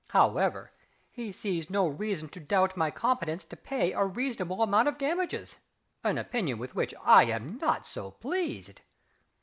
However, he "sees no reason to doubt my competence to pay a reasonable amount of damages" an opinion with which I am not so pleased.